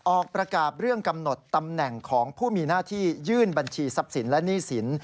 ออกประกาศเรื่องกำหนดตำแหน่งของผู้มีหน้าที่ยื่นบัญชีทรัพย์สินและหนี้สิน